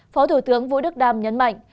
phó thủ tướng vũ đức đam nhấn mạnh